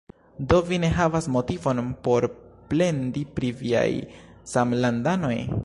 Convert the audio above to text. Do, vi ne havas motivon por plendi pri viaj samlandanoj?